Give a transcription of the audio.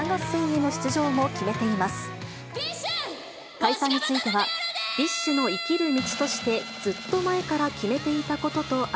解散については、ビッシュの生きる道として、ずっと前から決めていたことと明